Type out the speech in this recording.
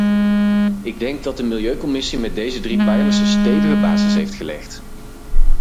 Ik denk dat de milieucommissie met deze drie pijlers een stevige basis heeft gelegd.